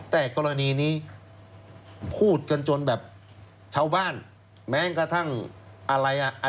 แต่กรณีนี้พูดกันจนแบบชาวบ้านแม้กระทั่งอะไรอ่ะ